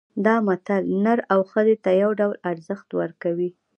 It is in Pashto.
دا متل نر او ښځې ته یو ډول ارزښت ورکوي